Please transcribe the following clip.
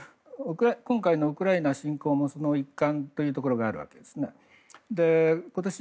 今回のウクライナ侵攻もその一環というところがあるわけですね。